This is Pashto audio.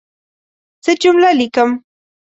زه جمله لیکم.